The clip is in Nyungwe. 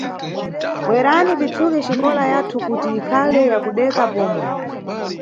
Bwerani titsuke xikola yathu kuti ikhale ya kudeka pomwe.